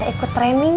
ikut training ya